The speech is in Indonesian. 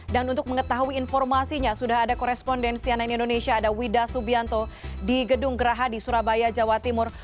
dan untuk mengetahui informasinya sudah ada korespondensi yang lain di indonesia ada wida subianto di gedung geraha di surabaya jawa timur